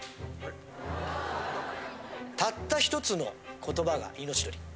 たったひとつの言葉が命取り。